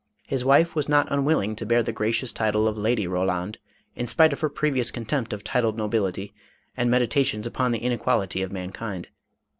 His wife was not un willing to bear the gracious title of Lady Roland, in spite of her previous contempt of titled nobility and meditations upon the inequality of mankind.